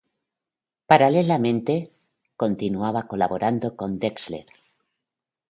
Paralelamente, continuaba colaborando con Drexler.